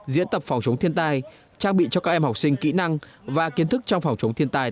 diễn tập phòng chống thiên tai trang bị cho các em học sinh kỹ năng và kiến thức trong phòng chống thiên tai